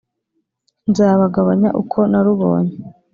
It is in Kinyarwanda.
Nzabagabanya uko narubonye